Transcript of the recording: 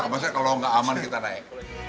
aman lah kalau tidak aman kita naik